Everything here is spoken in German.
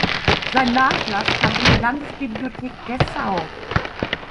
Sein Nachlass kam in die Landesbibliothek Dessau.